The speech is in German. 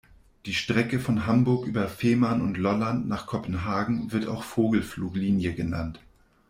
Die Strecke von Hamburg über Fehmarn und Lolland nach Kopenhagen wird auch Vogelfluglinie genannt.